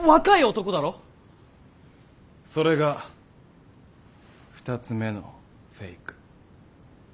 それが２つ目のフェイク。